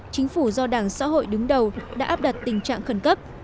chính phủ do đảng xã hội đứng đầu đã áp đặt tình trạng khẩn cấp